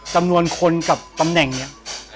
จำนวนคนกับตำแหน่งเนี่ย